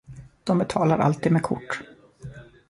De betalar alltid med kort.